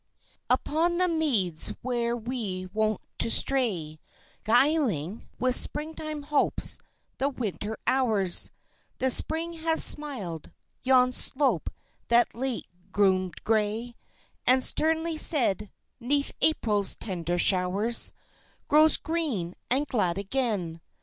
Upon the meads where we were wont to stray, 'Guiling with springtime hopes the winter hours, The Spring has smiled; yon slope that late gloomed gray And sternly sad, 'neath April's tender showers Grows green and glad again.